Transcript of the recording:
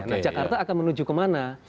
nah jakarta akan menuju kemana